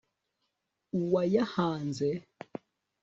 uwayahanze